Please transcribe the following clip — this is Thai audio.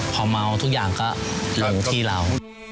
พอเมาทุกอย่างก็ลงที่เรา